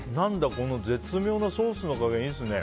この絶妙なソースの加減いいですね。